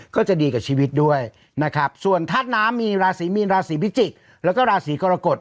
ก็จะดีกับชีวิตด้วยนะครับส่วนธาตุน้ำมีราศีมีนราศีพิจิกษ์แล้วก็ราศีกรกฎ